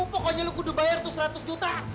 pokoknya lo kudu bayar tuh seratus juta